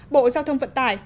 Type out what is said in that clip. bốn bộ giao thông vận tải